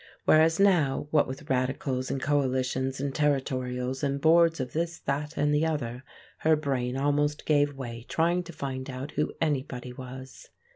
Whereas now, what with radicals, and coalitions, and territorials, and boards of this, that, and the other, her brain almost gave way trying to find out who anybody was.